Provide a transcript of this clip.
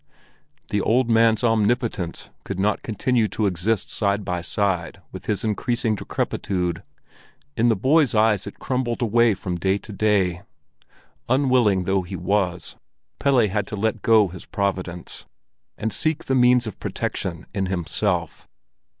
The old man's omnipotence could not continue to exist side by side with his increasing decrepitude; in the boy's eyes it crumbled away from day to day. Unwilling though he was, Pelle had to let go his providence, and seek the means of protection in himself.